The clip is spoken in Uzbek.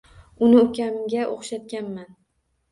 Uni ukamga o’xshatganman.